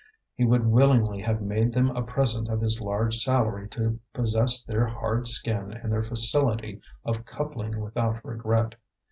He would willingly have made them a present of his large salary to possess their hard skin and their facility of coupling without regret.